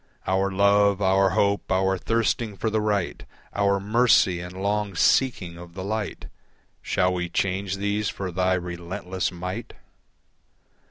Our love, our hope, our thirsting for the right, Our mercy and long seeking of the light, Shall we change these for thy relentless might?